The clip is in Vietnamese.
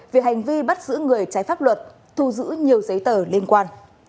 về hành vi bắt giữ người trái pháp luật thu giữ nhiều giấy tờ liên quan